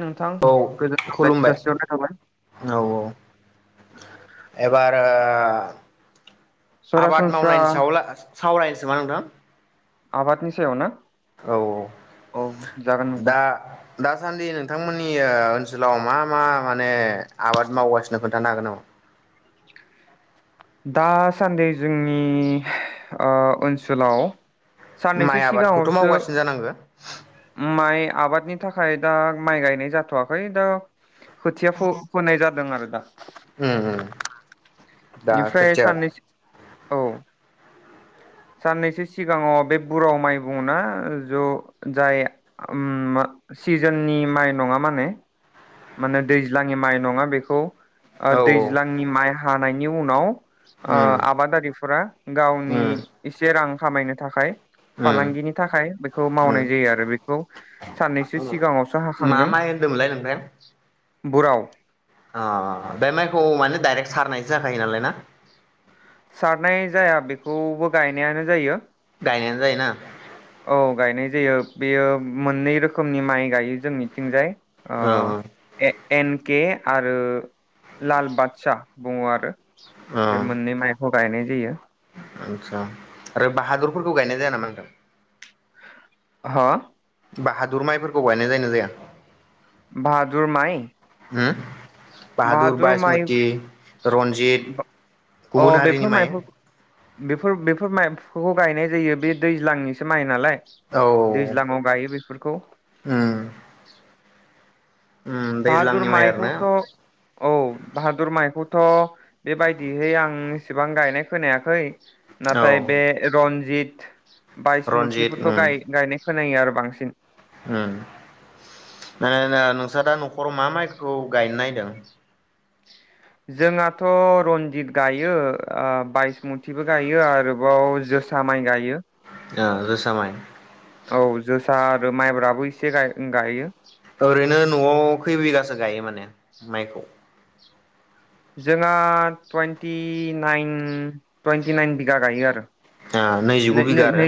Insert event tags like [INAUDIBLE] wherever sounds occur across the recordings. नोंथां औ गोजोन हामलायथि खुलुमबाय जासिहरनाय थाबाय औ औ एबारो बा आबाद सरासनस्रा मावनायनि सायावला सावरायनोसै नामा नोंथां आबादनि सायाव ना औ औ औ जागोन नोंथां दा दासान्दि नोंथांमोननि ओनसोलाव मा मा माने आबाद मावगासिनो खोन्थानो हागोन नामा दासान्दि जोंनि ओ ओनसोलाव साननैसो माइ आबादखौथ' सिगाङावसो मावगासिनो जानांगो माइ आबादनि थाखाय दा माइ गायनाय जाथ'वाखै दा खोथिया फोनाय जादों आरो दा उम उम दा बेनिफ्राय खोथिया साननैसो औ साननैसो सिगाङाव बे बुराव माइ बुङ ना ज' जाय ओम सिजोननि माइ नङा माने माने दैज्लांनि माइ नङा बेखौ ओ औ दैज्लांनि माइ हा हानायनि उनाव ओ उम आबादारिफोरा गावनि उम एसे रां खामायनो थाखाय उम फालांगिनि थाखाय बेखौ उम मावनाय जायो आरो बेखौ साननैसो सिगाङावसो मा हाखांदों माइ [INAUDIBLE] बुराव अ बे माइखौ माने डाइरेक्ट सारनायसो जाखायो नालाय ना सारनाय जाया बेखौबो गायनायानो जायो गायनायानो जायोना औ गायनाय जायो बेयो मोननै रोखोमनि माइ गायो जोंनिथिंजाय औ ए एन के आरो लाल बादसा बुङो आरो बे मोननै माइखौ गायनाय जायो आतसा आरो बाहादुरफोरखौ गायनाय जाया नामा नोंथां हा बााहादुर माइफोरखौ गायनाय जायोना जाया बाहादुर माइ उम बाहादुर माइ रन्जित अ गुबुन हारिनि बेफोर माइ माइफोर बेफोर माइ बेखौ गायनाय जायो बे दैज्लांनिसो माइ नालाय औ दैज्लाङाव गायो बेफोरखौ उम उम बाहादुर दैज्लांनि माइ आरोना माइखौथ' औ बाहादुर माइखौथ' बेबायदिहाय आं इसेबां गायनाय खोनायाखै औ नाथाय बे रन्जित रन्जित बायसमुथिफोरखौ गायनाय खोनायो आरो बांसिन हम आसा दा न'खराव मा माइखौ गायनो नागिरदों जोंहाथ' रन्जित गायो बायसमुथिबो गायो आरोबाव जोसा माइ गायो जोसा माइ औ जोसा आरो माइब्राबो एसे गायो ओरैनो न'आव खैबिगासो गायो माने माइखौ जोंहा टुइन्टि नाइन टुइन्टि नाइन बिगा गायो आरो आ नैजिगु बिगा आरो?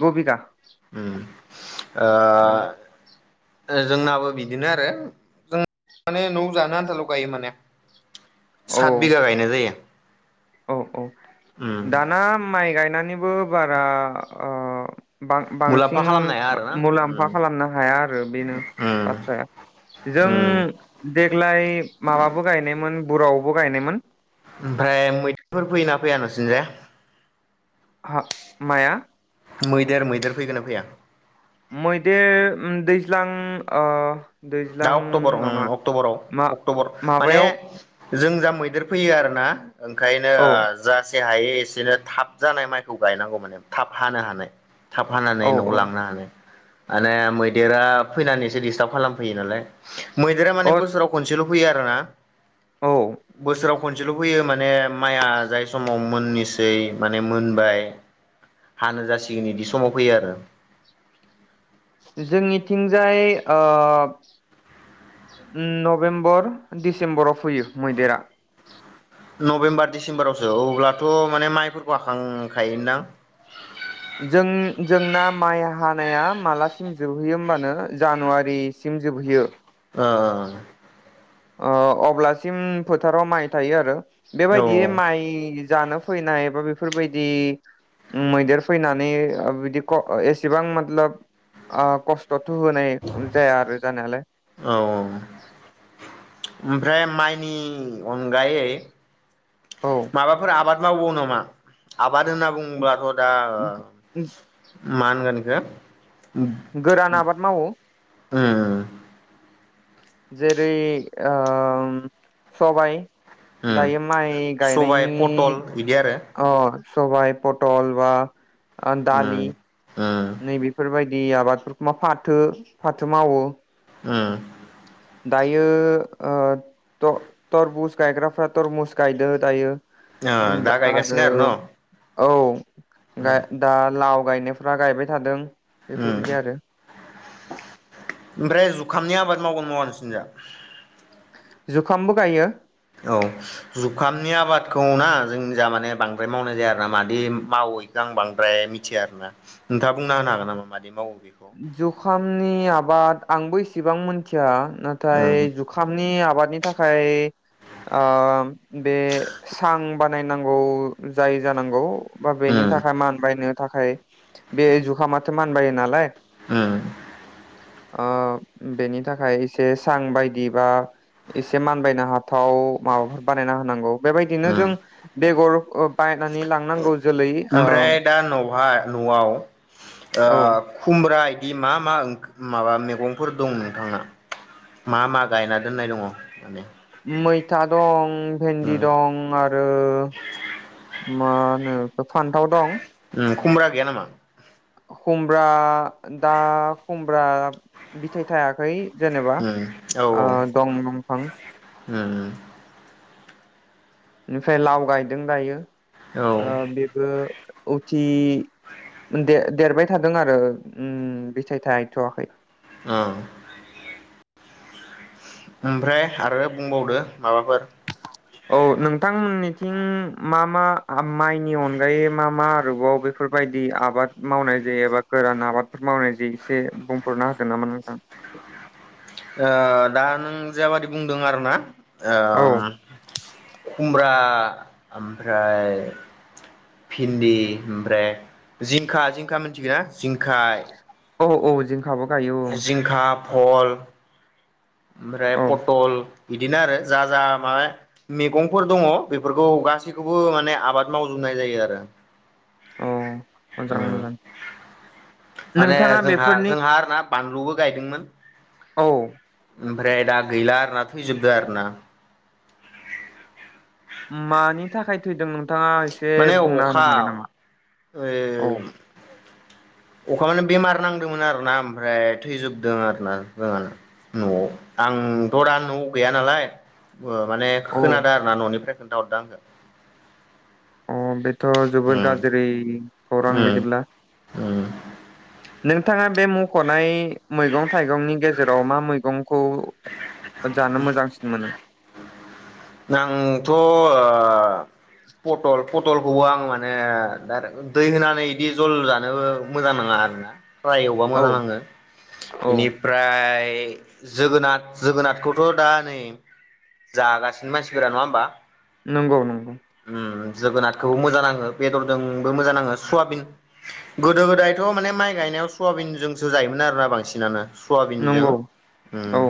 गु बिगा उम औ ओ जोंनाबो बिदिनो आरो जों माने न' जानो आन्थाल' गायो माने औ सात बिगा गायनाय जायो। औ औ उम दाना माइ गायनानै बो बारा ओ बां मुलाम्फा बांसिन खालामनो हाया आरोना मुलाम्फा उम खालामनो हाया आरो बेनो उम बाथ्राया जों उम देग्लाय माबाबो गायनायमोन बुरावबो गायनायमोन ओमफ्राय मैदेरफोर फैयो ना फैया नों थिंजाय हा माया मैदेर मैदेर फैगोना फैया मैदेर उम दैज्लां ओ दा दैज्लां अक्ट'बर नङा अक्ट'बराव मा अक्ट'बर माने माबायाव जों जा मैदेर फैयो आरोना ओंखायनो औ जास्ट जेसे हायो एसेनो थाब जानाय माइखौ गायनांगौ माने थाब हानो हानाय थाब औ हानानै न'आव औ लांनो हानाय माने मैदेरा फैनानै एसे डिस्टार्ब खालाम फैयो नालाय मैदेर माने अ बोसोराव खसेल' फैयो आरोना औ बोसोराव खनसेल' फैयो माने माइआ जाय समाव मोननिसै माने मोनबाय हानो जासिगोन इदि समाव फैयो आरो जोंनिथिंजाय ओ नभेम्बर डिसेम्बराव फैयो मैदेरा नभेम्बर डिसेम्बरावसो अब्लाथ' माने माइफोरखौ हाखांखायोदां जों जोंना माइ हानाया मालासिम जोबहैयो होमबानो जानुवारिसिम जोबहैयो ओ ओ ओ अब्लासिम फोथाराव माइ थायो आरो औ बेबायदि माइ जानो फैनाय बा बेफोरबायदि मैदेर फैनानै बिदि क एसेबां मातलब ओ खस्थ' थ' होनाय जाया आरो जानायालाय औ ओमफ्राय माइनि अनगायै औ माबाफोर आबाद मावो नामा आ बाद होनना बुङोब्लाथ' दा मानगोन इखौ गोरान आबाद मावो उम जेरै ओ सबाइ उम सबाइ पटल बिदि आरो अ सबाइ पटल बा आ दालि उम उम नै बेफोरबायदि दै आबादफोरखौ मा फाथो फाथो मावो ओ दायो ओ थरबुस गायग्राफ्रा थरमुस गायदो दायो ओ दा गायगासिनो आरो न' औ गा दा लाव गायनायफ्रा गायबाय थादों उम बेफोरबायदि आरो [INAUDIBLE] ओमफ्राय जुखामनि आबाद मावगोन मावा नोंसोरनि जा जुखामबो गायो औ जुखामनि आबादखौ ना जोंनि जा माने बांद्राय मावनाय जाया आरोना मादि मावो इखो आं बांद्राय मिथिया आरोना नोंथाङा बुंना होनो हागोन नामा मादि मावो बेखौ जुखामनि आबाद आंबो एस इसेबां मोनथिया नाथाय उम जुखामनि आबाद नि थाखाय ओ बे सां बानायनांगौ जायो जानांगौ बा बेनि उम थाखाय मानबायनो थाखाय बे जुखामाथो मानबायो नालाय ओम ओ बेनि थाखाय एसे सां बायदि बा एसे मानबायनो हाथाव माबाफोर बानायना होनांगौ बेबायदिनो जों उम बेगर ओ बायनानै लांनांगौ जोलै ओ ओमफ्राय दा न'हा न'आव ओ औ खुम्रा बे मा मा माबा मैगंफोर दं नोंथांना मा मा गायना दोननाय दङ माने मैथा दं भेन्दि उम दं आरो मा होनो खौ फान्थाव दं ओम खुमब्रा गैया नामा खुमब्रा दा खु ब्रा बिथाइ थायाखै जेनेबा उम ओ दं दंफां उम उम निफाय लाव गायदों दायो औ ओ ओं बेबो औथि [UNINTELLIGIBLE] देरबाय थादों आरो उम बिथाय थायथ'वाखै अ ओमफ्राय आरो बुंबावदो माबाफोर औ नोंथांमोननिथिं मा मा माइनि अनगायै मा मा आरोबाव बेफोरबायदि आबाद मावनाय जायो एबा गोरान आबादफोर मावनाय जायो एसे बुंफोरना होगोन नामा नोंथां ओ दा नों जाबादि बुंदों आरो ना आ औ खुमब्रा आं ओमफ्राय भिन्दि ओमफ्राय जिंखा जिंखा मिथिगोना जिंख औ औ जिं खाबो गायो उम भहल ओमफ्राय औ पटल बिदिनो आरो जा जा माबा मेगंफोर दङ बेफोरखौ गासैखौबो माने आबाद मावजोबनाय जायो आरो औ मोजां उम मोजां माने नोंथाङा जोंहा बेफोरनि जोंहा आरो ना बानलुबो गायदोंमोन औ ओमफ्राय दा गैला आरोना थैजोबदो आरो ना मानि थाखाय थैदों नों नोंथाङा एसे माने बुंना होनो अखा हागोन नामा ओ औ अखा मानि बेमार नांदोंमोन आरोना ओमफ्राय थैजोबदों आरोना जोंहाना ओ न'आव आं दा न'आव गैया नालाय माने औ खोनादों आरो ना न'निफ्राय खोनथा हरदों आंनो अ बे थ' जोबोर गाज्रि खौरां बिदिब्ला उम उम नोंथाङा बे मख'नाय मैगं थाइगंनि गेजे जेराव मा मैगं खौ जानो मोजांसिन मोनो आंथ' अ-आ पटल प पटलखौ आं माने दा दै होनानै इदि जल जानोबो मोजां नाङा आरो ना फ्राय एवबा औ मोजां नाङो औ बेनिफ्राय ए जोगोनाथ जोगोनाथखौथ' दा नै जागासिनो मानसिफोरा नङा होमबा नंगौ नंगौ। उम जोगोनारखौबो मोजां नाङो बेदरजोंबो मोजां नाङो सवाबिन गोदो गोदायथ' माने माइ गायनायाव सवाबिनजोंसो जायोमोन आरोना बांसिनानो सवाबिनजों नंगौ उम। औ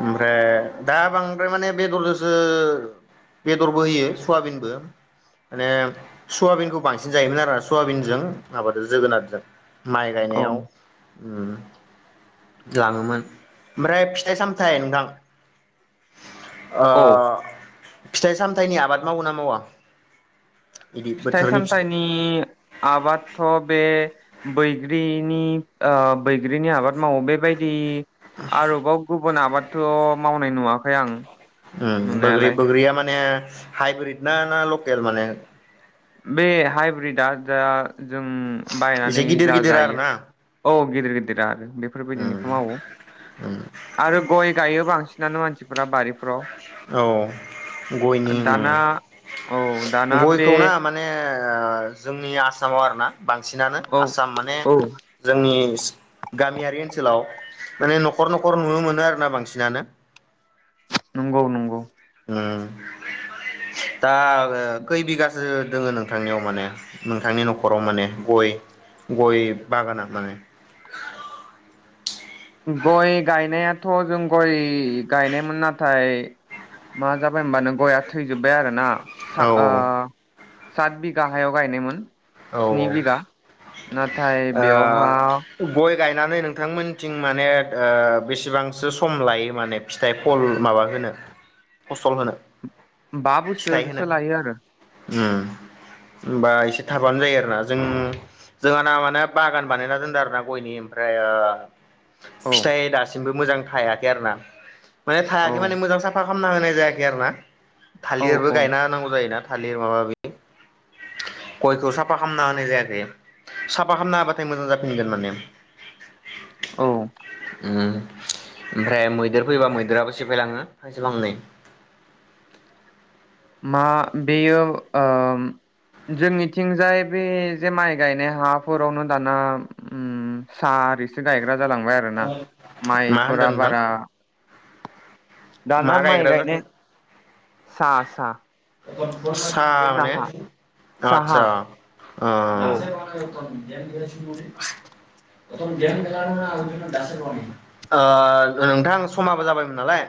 ओमफ्राय दा बांद्राय माने बेदरजोंसो बेदरबो होयो सवाबिनबो माने सवाबिनखौ बांसिन जायोमोन आरो सयाबिनजों माबादो जोगोनारजों माइ औ गायनायाव लाङोमोन ओमफ्राय फिथाइ सामथाय नोंथां। ओ औ फिथाइ सामथायाइनि आबाद मावो ना मावा? बिदि फिथाइ बोथोरनि सामथाइनि आबादथ' बे बैग्रिनि ओ बैग्रिनि आबाद मावो बेबायदि आरो ब ग गुबुन आबादथ' मावनाय नुवाखै आं। उ बोग्रि नुनायालाय बग्रिया माने हाइब्रिद ना ना लकेल माने बे हाइब्रिदआ जा जों एसे बायनानै गिदिर जा गिदिर आरो जायो ना औ। गिदिर गिदिरा आरो। उम बेफोरबायदिनिखौ मावो आरो गय। गायो बांसिनानो मानसिफोरा बारि औ गयनि दाना औ दाना बे गयखौ ना माने माने ओ जोंनि आसामाव आरोना। बांसिनानो औ आसाम माने औ जोंनि गामियारि ओनसोलाव माने न'खर न'खर नुनो मोनो आरो ना बांसिनानो नंगौ नंगौ। उम दा ओ खै बिगासो दोङो नोंथांनियाव माने नोंथांनि न'खराव माने गय गय बागाना माने गय गायनायाथ' जों गय गायनायमोन नाथाय मा जाबाय होमबानो गया थैजोब्बाय आरोना। सा आ। औ सात बिगा हायाव गायनायमोन। औ स्नि बिघा नाथाय औ बेवहा ओ गय गायनानै नोंथांमोनथिं माने ओ बेसेबांसो सम लायो माने फिथाइ फल माबा होनो फसल होनो। बा फिथाइ होनो बोसोरसो लायो आरो। उम ओमबा एसे थाबानो जायो आरोना जों जोंहाना माने बागान बानायना दोनदों आरोना गयनि ओमफ्राय ओ औ फिथाइ दासिमबो मोजां थायाखै आरो ना माने औ थायाखै माने मोजां साफा खालामना होनाय जायाखै आरोना औ थालिरबो औ गायना नांगौ जायोना थालिर माबा माबि गयखौ साफा खालामना होनाय जायाखै साफा खालामना होबाथाय मोजां जाफिनगोन माने उम औ ओमफ्राय मैदेर फैबा मैदेराबो सेफायलाङो फांसे फांनै मा बेयो ओ जोंनिथिंजाय बे जे माइ गायनाय हाफोरावनो दाना उम सा आरिसो गायग्रा जालांबाय आरोना मा होनदों माइफोरा नोंथां बारा मा दाना माइ गायग्रा गायनो [INAUDIBLE] सा माने साहा साहा आतसा ओ औ ओ नोंथां समाबो जाबायमोन नालाय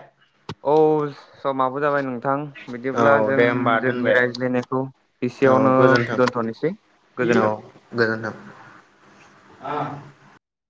औ समाबो जाबाय नों थां बिदिब्ला औ जों दे होमबा जोंनि दोनबाय रायज्लायनायखौ औ एसेयावनो गोजोन्थों दोन्थ'नोसै औ गोजोनथों गोजोन्थों [INAUDIBLE]